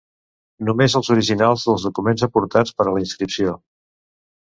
Només els originals dels documents aportats per a la inscripció.